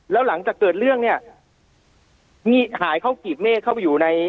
แล้วหลังจากเกิดเรื่องเนี่ยนี่หายเข้ากรีบเมฆเข้าไปอยู่ใน